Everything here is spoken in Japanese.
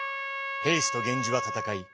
平氏と源氏は戦い